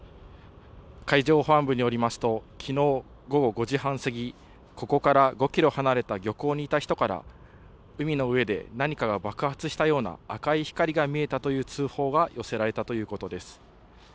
海上保安部によりますと、きのう午後５時半過ぎ、ここから５キロ離れた漁港にいた人から、海の上で何かが爆発したような赤い光が見えたという通報が寄せられたということです。